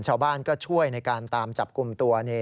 ชาวบ้านก็ช่วยในการตามจับกลุ่มตัว